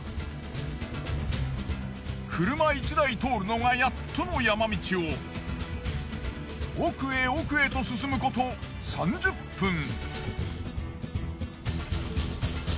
車１台通るのがやっとの山道を奥へ奥へと進むこと３０分。